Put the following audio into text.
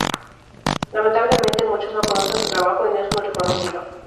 Lamentablemente muchos no conocen su trabajo y no es muy reconocido.